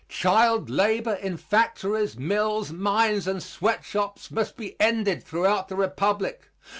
Child labor in factories, mills, mines and sweat shops must be ended throughout the Republic.